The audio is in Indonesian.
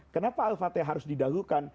kenapa al fatihah harus didahulukan